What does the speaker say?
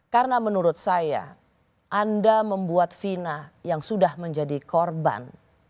karena menurut saya anda membuat fina yang sudah menjadi korban